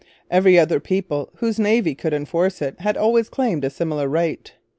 Every other people whose navy could enforce it had always claimed a similar right.